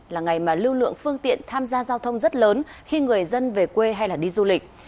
là ngày mà lưu lượng phương tiện tham gia giao thông rất lớn khi người dân về quê hay đi du lịch